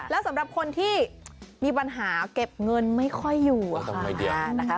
แล้วสำหรับคนที่มีปัญหาเก็บเงินไม่ค่อยอยู่นะคะ